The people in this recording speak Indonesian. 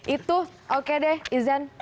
itu oke deh izan